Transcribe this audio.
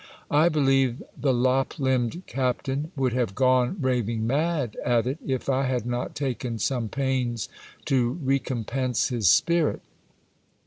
I believe the lop limbed captain would have gone raving mad at it, if I had not taken some pains to recompense his spirit.